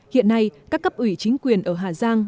hiện nay các cấp ủy chính quyền ở hà giang